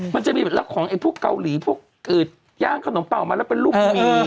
มันจะมีของกาวหลีพวกย่างขนมปั๊วออกมาแล้วเป็นลูกหมี